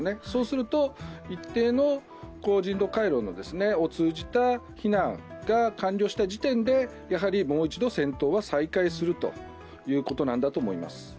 そうすると、一定の人道回廊を通じた避難が完了した時点でもう一度、戦闘は再開するということだと思います。